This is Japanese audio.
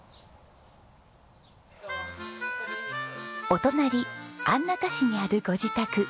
お隣安中市にあるご自宅。